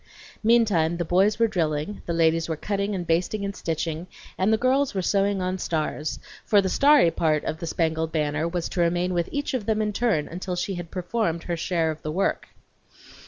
Meantime the boys were drilling, the ladies were cutting and basting and stitching, and the girls were sewing on stars; for the starry part of the spangled banner was to remain with each of them in turn until she had performed her share of the work.